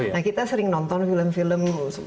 nah kita sering nonton film film